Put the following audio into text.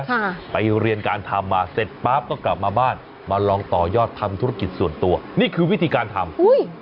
ออกมาเรียนการทำมาเซ็ตปั๊บก็กลับมาบ้านมาลองต่อยอดทำธุรกิจส่วนตัวนี่คือวิธีความรัคการทำ